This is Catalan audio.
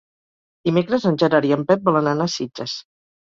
Dimecres en Gerard i en Pep volen anar a Sitges.